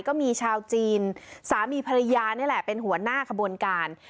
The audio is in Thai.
ก็มีชาวจีนสามีภรรยานี่แหละเป็นหัวหน้าขบวนการ